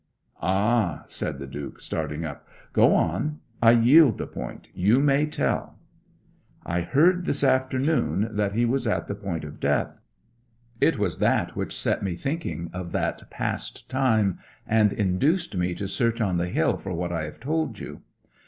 'Ah!' said the Duke, starting up. 'Go on I yield the point you may tell!' 'I heard this afternoon that he was at the point of death. It was that which set me thinking of that past time and induced me to search on the hill for what I have told you.